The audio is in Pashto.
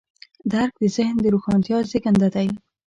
درک د ذهن د روښانتیا زېږنده دی.